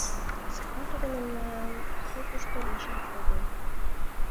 Садлан тудо мемнан суртышто лийшаш огыл.